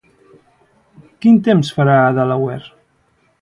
Quin temps farà a Delaware?